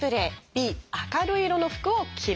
「Ｂ明るい色の服を着る」。